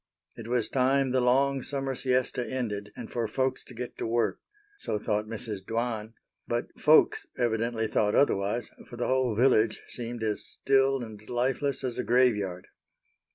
It was time the long summer siesta ended and for folks to get to work, so thought Mrs. Dwan, but "folks" evidently thought otherwise, for the whole village seemed as still and lifeless as a graveyard.